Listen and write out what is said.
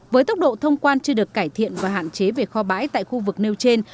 với tốc độ thông quan chưa được cải thiện và hạn chế về kho bãi tại khu vực nêu trên